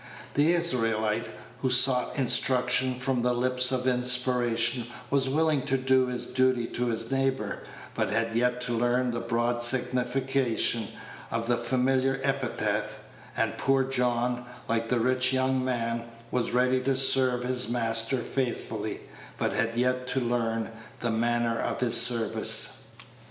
The Israelite who sought instruction from the lips of inspiration was willing to do his duty to his neighbor, but had yet to learn the broad signification of that familiar epithet; and poor John, like the rich young man, was ready to serve his Master faithfully, but had yet to learn the manner of his service.